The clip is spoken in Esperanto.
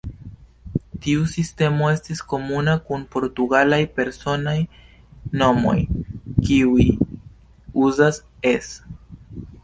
Tiu sistemo estis komuna kun portugalaj personaj nomoj, kiuj uzas "-es".